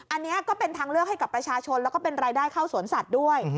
อันนี้ก็เป็นทางเลือกให้กับประชาชนแล้วก็เป็นรายได้เข้าสวนสัตว์ด้วย